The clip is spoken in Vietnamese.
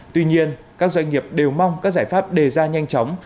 tuy nhiên các doanh nghiệp đều mong các giải pháp đề ra nhanh chóng